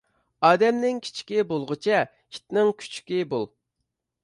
ئادەمنىڭ كىچىكى بولغۇچە، ئىتنىڭ كۈچۈكى بول.